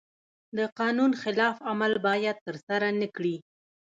د قانون خلاف عمل باید ترسره نکړي.